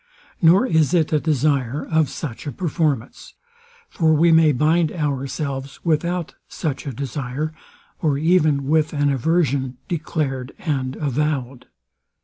Nor is it a desire of such a performance: For we may bind ourselves without such a desire, or even with an aversion, declared and avowed.